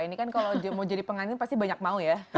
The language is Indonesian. ini kan kalau mau jadi pengantin pasti banyak mau ya